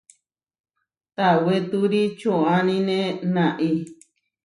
Tawetúri čoʼánine naʼi.